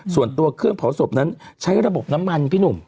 ส่วนตัวเครื่องเผาศพนั้นใช้ระบบน้ำมันพี่หนุ่ม